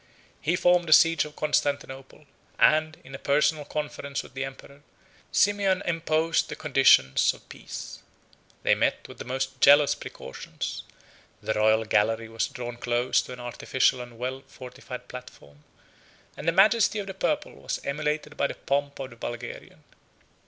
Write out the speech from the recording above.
15 He formed the siege of Constantinople; and, in a personal conference with the emperor, Simeon imposed the conditions of peace. They met with the most jealous precautions: the royal gallery was drawn close to an artificial and well fortified platform; and the majesty of the purple was emulated by the pomp of the Bulgarian.